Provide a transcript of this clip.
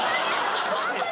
ホントに！